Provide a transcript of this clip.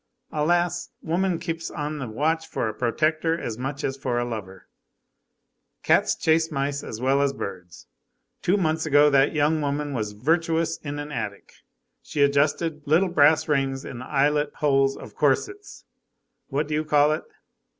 Alas! woman keeps on the watch for a protector as much as for a lover; cats chase mice as well as birds. Two months ago that young woman was virtuous in an attic, she adjusted little brass rings in the eyelet holes of corsets, what do you call it?